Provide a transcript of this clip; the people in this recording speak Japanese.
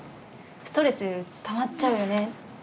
「ストレスたまっちゃうよね」。